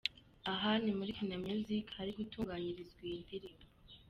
Aha ni muri Kina Music ahari gutunganyirizwa iyi ndirimbo.